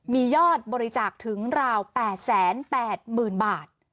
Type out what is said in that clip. มียอดบริจาคถึงราว๘๘๐๐๐บาท